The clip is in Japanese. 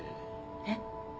えっ？